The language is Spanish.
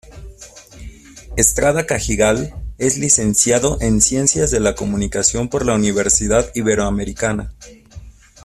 Estrada Cajigal es Licenciado en Ciencias de la Comunicación por la Universidad Iberoamericana.